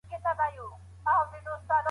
په سفر کي د ميرمنو ملګرتيا څه ګټه لري؟